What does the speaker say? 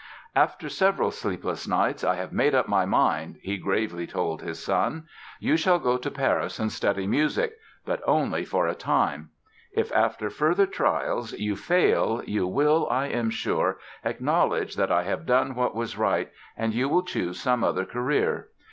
"After several sleepless nights I have made up my mind", he gravely told his son. "You shall go to Paris and study music; but only for a time. If after further trials you fail you will, I am sure, acknowledge that I have done what was right, and you will choose some other career.